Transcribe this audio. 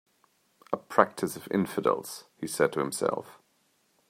"A practice of infidels," he said to himself.